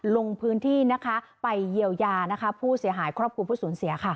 ลงพื้นที่นะคะไปเยียวยาผู้เสียหายครอบครัวผู้สูญเสียค่ะ